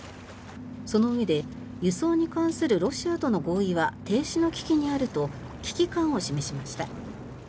そのうえで輸送に関するロシアとの合意は停止の危機にあると危機感を示しました。